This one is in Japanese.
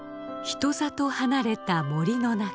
人里離れた森の中。